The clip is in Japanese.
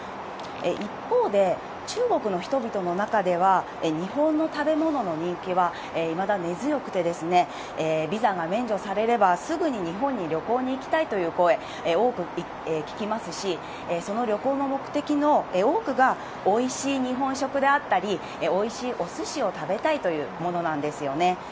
一方で、中国の人々の中では、日本の食べ物の人気はいまだ根強くて、ビザが免除されればすぐに日本に旅行に行きたいという声、多く聞きますし、その旅行の目的の多くが、おいしい日本食であったり、おいしいおすしを食べたいというものなんですよね。